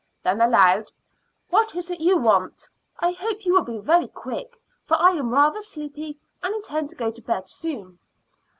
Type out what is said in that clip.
Then aloud: "What is it you want? I hope you will be very quick, for I am rather sleepy and intend to go to bed soon."